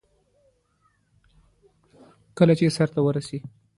فضل الهي وايي، د روسي یرغل وروسته لیکوالان پاکستان ته کډه شول.